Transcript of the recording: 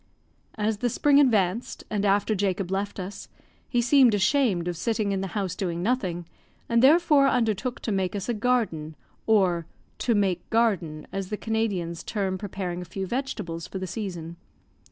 As the spring advanced, and after Jacob left us, he seemed ashamed of sitting in the house doing nothing, and therefore undertook to make us a garden, or "to make garden," as the Canadians term preparing a few vegetables for the season.